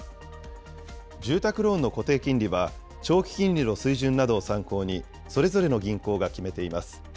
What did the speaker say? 住宅ローンの固定金利は、長期金利の水準などを参考に、それぞれの銀行が決めています。